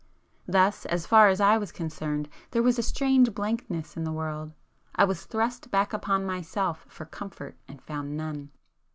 Thus, as far as I was concerned, there was a strange blankness in the world,—I was thrust back upon myself for comfort and found none.